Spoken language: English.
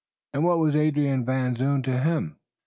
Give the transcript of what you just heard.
and what was Adrian Van Zoon to him?